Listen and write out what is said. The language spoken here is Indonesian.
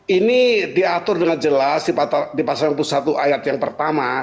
ini diatur dengan jelas di pasal enam puluh satu ayat yang pertama